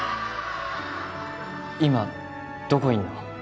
今どこいんの？